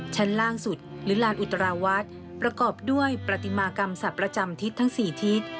ชั้นล่างสุดหรือลานอุตราวัดประกอบด้วยประติมากรรมสัตว์ประจำทิศทั้ง๔ทิศ